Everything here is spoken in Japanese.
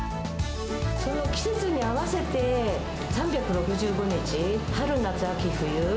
その季節に合わせて、３６５日、春夏秋冬。